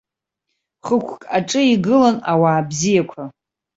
Хықәк аҿы игылан ауаа бзиақәа.